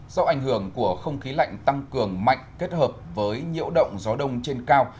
do ảnh hưởng của không khí lạnh tăng cường mạnh kết hợp với nhiễu động gió đông trên cao